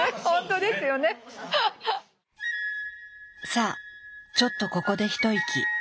さあちょっとここで一息。